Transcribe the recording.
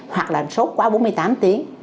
hoặc là sốt quá bốn mươi tám tiếng